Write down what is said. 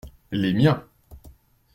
Les miens.